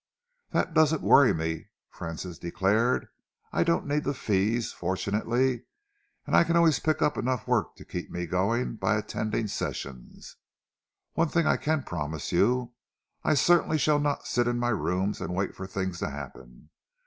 "That doesn't worry me," Francis declared. "I don't need the fees, fortunately, and I can always pick up enough work to keep me going by attending Sessions. One thing I can promise you I certainly shall not sit in my rooms and wait for things to happen.